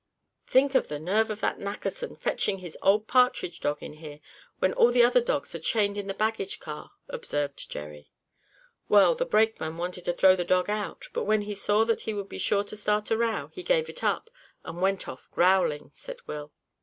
"Think of the nerve of that Nackerson, fetching his old partridge dog in here, when all the other dogs are chained in the baggage car," observed Jerry. "Well, the brakeman wanted to throw the dog out, but when he saw that would be sure to start a row, he gave it up, and went off growling," said Will.